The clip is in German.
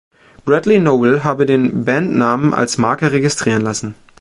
Bradley Nowell habe den Bandnamen als Marke registrieren lassen.